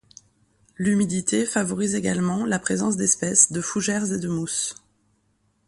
L'humidité favorise également la présence d'espèces de fougères et de mousses.